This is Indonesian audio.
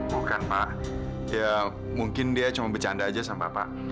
bukan pak ya mungkin dia cuma bercanda aja sama bapak